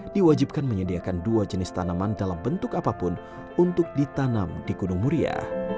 diwajibkan menyediakan dua jenis tanaman dalam bentuk apapun untuk ditanam di gunung muria